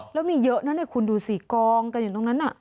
แล้วมีเยอะนะเนี่ยคุณดูสิกองกันอยู่ตรงนั้น